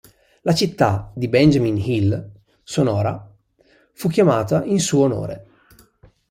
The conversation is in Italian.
La città di Benjamín Hill, Sonora, fu chiamata in suo onore.